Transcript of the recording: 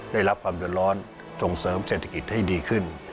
ได้รับความเดือดร้อนส่งเสริมเศรษฐกิจให้ดีขึ้น